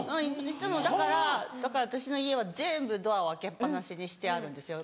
いつもだから私の家は全部ドアを開けっ放しにしてあるんですよ。